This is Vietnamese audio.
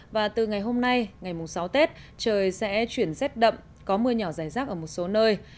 và từ ngày hôm nay ngày mùng sáu tết trời sẽ chuyển rét đậm có mưa nhỏ dài rác ở một số nơi